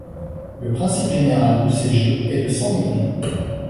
Le principe général de ces jeux est de s'enivrer.